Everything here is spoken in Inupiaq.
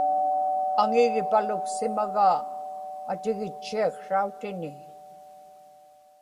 aŋigipaluksimagaa atigitchiaksrautini